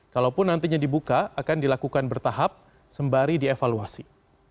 kalaupun nantinya dibuka akan dilakukan bertahap sembari dievaluasi